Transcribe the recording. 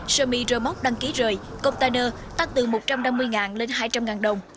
semi remote đăng ký rời container tăng từ một trăm năm mươi đồng lên hai trăm linh đồng